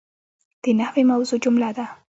د نحوي موضوع جمله ده.